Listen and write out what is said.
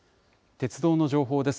鉄道の情報です。